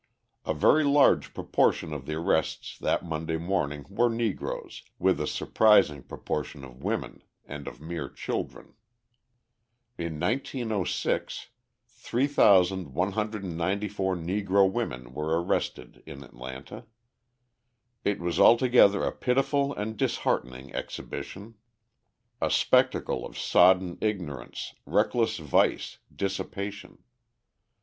A very large proportion of the arrests that Monday morning were Negroes, with a surprising proportion of women and of mere children. In 1906 3,194 Negro women were arrested in Atlanta. It was altogether a pitiful and disheartening exhibition, a spectacle of sodden ignorance, reckless vice, dissipation.